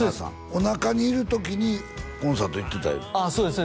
おなかにいる時にコンサート行ってたああそうです